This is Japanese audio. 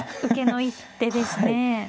受けの一手ですね。